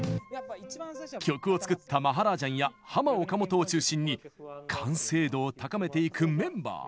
曲を作ったマハラージャンやハマ・オカモトを中心に完成度を高めていくメンバー。